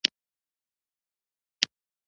په بشپړه توګه لا بریالی شوی نه یم.